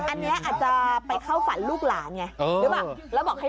อันนี้อาจจะไปเข้าฝันลูกหลานไง